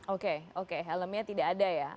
oke oke helmnya tidak ada ya